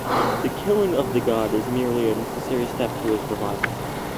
The killing of the god is merely a necessary step to his revival.